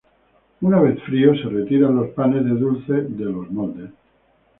Una vez fríos, se retiran los panes de dulce de los moldes.